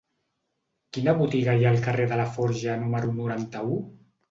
Quina botiga hi ha al carrer de Laforja número noranta-u?